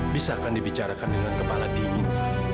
bisakah dibicarakan dengan kepala dingin